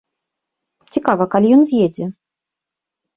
Цікава, калі ён з'едзе?